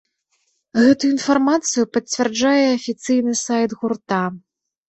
Гэту інфармацыю пацвярджае і афіцыйны сайт гурта.